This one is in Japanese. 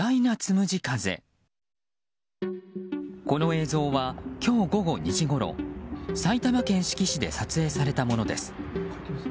この映像は今日午後２時ごろ埼玉県志木市で撮影されたものです。